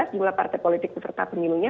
jumlah partai politik peserta pemilunya